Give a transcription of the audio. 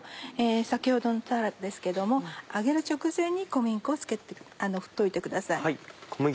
先ほどのたらですけども揚げる直前に小麦粉を振っといてください。